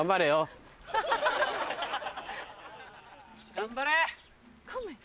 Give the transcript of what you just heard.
・頑張れ！